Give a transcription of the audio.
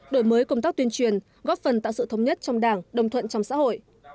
đổi mới công tác tuyên truyền góp phần tạo sự thống nhất trong đảng đồng thuận trong xã hội